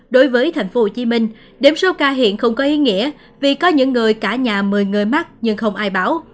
đối với tp hcm đếm số ca hiện không có ý nghĩa vì có những người cả nhà một mươi người mắc nhưng không ai bảo